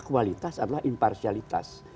kualitas atau imparsialitas